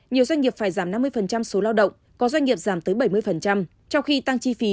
nhiều doanh nghiệp phải giảm năm mươi số lao động có doanh nghiệp giảm tới bảy mươi trong khi tăng chi phí